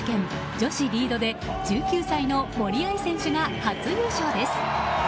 女子リードで１９歳の森秋彩選手が初優勝です。